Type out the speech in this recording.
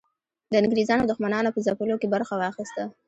د انګریزانو دښمنانو په ځپلو کې برخه واخیسته.